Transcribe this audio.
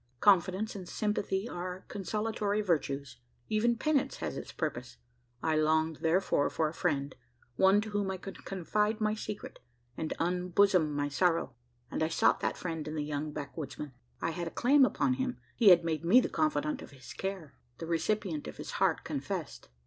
Confidence and sympathy are consolatory virtues even penance has its purpose. I longed, therefore, for a friend one to whom I could confide my secret, and unbosom my sorrow; and I sought that friend in the young backwoodsman. I had a claim upon him: he had made me the confidant of his care the recipient of his heart confessed.